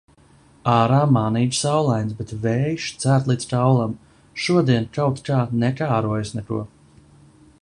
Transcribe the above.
Ārā mānīgi saulains, bet vējš cērt līdz kaulam. Šodien kaut kā nekārojas neko.